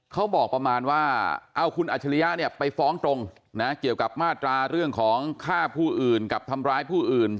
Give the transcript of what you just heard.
เขาบอกประมาณว่าเอาคุณอัจฉริยะเนี่ยไปฟ้องตรงนะเกี่ยวกับมาตราเรื่องของฆ่าผู้อื่นกับทำร้ายผู้อื่น